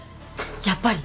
やっぱり！